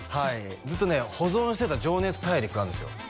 ずっとね保存してた「情熱大陸」があるんですよ